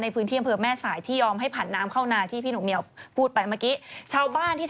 เพราะคนเยอะ